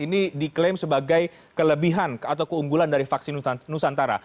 ini diklaim sebagai kelebihan atau keunggulan dari vaksin nusantara